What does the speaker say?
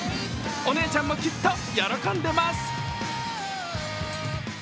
お姉ちゃんもきっと喜んでます。